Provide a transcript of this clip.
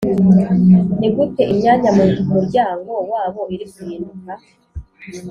Ni gute imyanya mu muryango wabo iri guhinduka